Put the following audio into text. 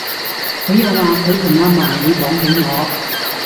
佢又話佢同阿嫲會講起我